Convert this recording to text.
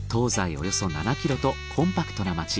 およそ７ｋｍとコンパクトな町。